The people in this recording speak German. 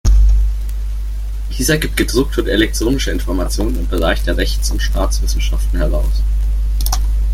Dieser gibt gedruckte und elektronische Informationen im Bereich der Rechts- und Staatswissenschaften heraus.